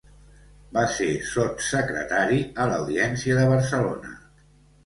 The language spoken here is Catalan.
Va ser sotssecretari a l'Audiència de Barcelona.